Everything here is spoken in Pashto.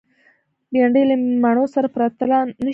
بېنډۍ له مڼو سره پرتله نشي